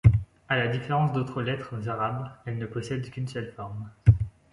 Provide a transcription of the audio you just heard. À la différence d'autres lettres arabes, elle ne possède qu'une seule forme.